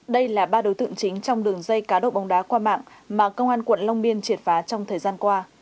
đây là ba đối tượng chính trong đường dây cá độ bóng đá qua mạng mà công an quận long biên triệt phá trong thời gian qua